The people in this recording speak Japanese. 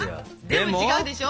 でも違うでしょ？